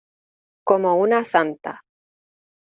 como una santa.